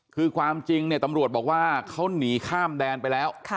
คือความจริงเนี่ยตำรวจบอกว่าเขาหนีข้ามแดนไปแล้ว